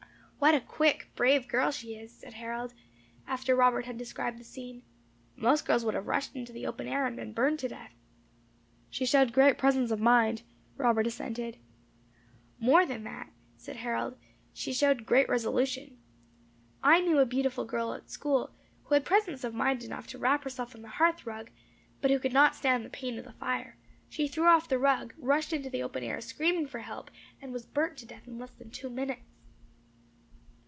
"What a quick, brave girl she is!" said Harold, after Robert had described the scene. "Most girls would have rushed into the open air, and been burned to death." "She showed great presence of mind," Robert assented. "More than that," said Harold, "she showed great resolution. I knew a beautiful girl at school, who had presence of mind enough to wrap herself in the hearth rug, but who could not stand the pain of the fire; she threw off the rug, rushed into the open air, screaming for help, and was burnt to death in less than two minutes."